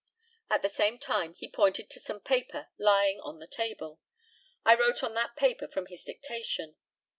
At the same time he pointed to some paper lying on the table. I wrote on that paper from his dictation.